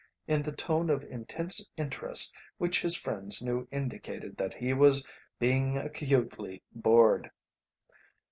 in the tone of intense interest which his friends knew indicated that he was being acutely bored.